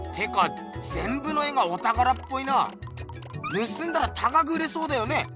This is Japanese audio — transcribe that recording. ぬすんだら高く売れそうだよね。